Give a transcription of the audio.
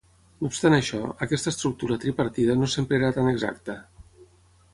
No obstant això, aquesta estructura tripartida no sempre era tan exacta.